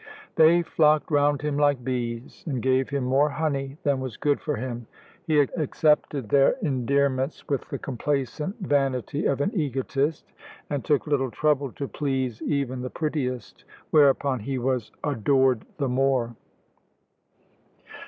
They flocked round him like bees, and gave him more honey than was good for him. He accepted their endearments with the complacent vanity of an egotist, and took little trouble to please even the prettiest, whereupon he was adored the more.